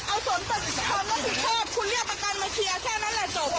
เอาสนตรงนี้คุณเรียกประกันมาเคลียร์แค่นั้นแหละจบ